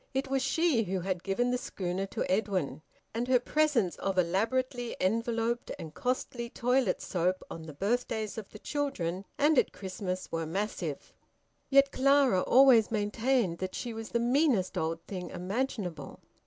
It was she who had given the schooner to Edwin. And her presents of elaborately enveloped and costly toilet soap on the birthdays of the children, and at Christmas, were massive. Yet Clara always maintained that she was the meanest old thing imaginable.